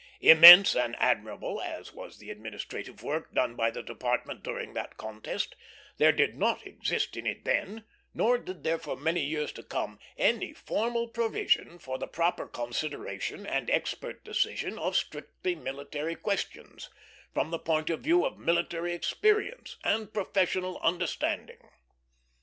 Immense and admirable as was the administrative work done by the Department during that contest, there did not exist in it then, nor did there for many years to come, any formal provision for the proper consideration and expert decision of strictly military questions, from the point of view of military experience and professional understanding.